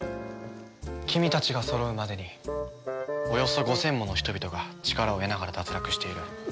君たちがそろうまでにおよそ５０００もの人々が力を得ながら脱落している。